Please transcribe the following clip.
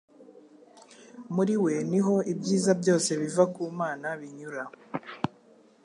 muri we niho ibyiza byose biva ku Mana binyura